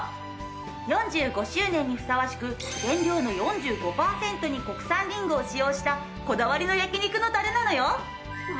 ４５周年にふさわしく原料の４５パーセントに国産りんごを使用したこだわりの焼肉のたれなのよ。